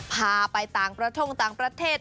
พาไปต่างกระทงต่างประเทศ